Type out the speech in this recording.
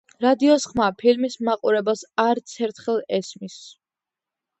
რადიოს ხმა ფილმის მაყურებელს არცერთხელ ესმის.